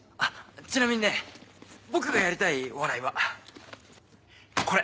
ちなみにね僕がやりたいお笑いはこれ。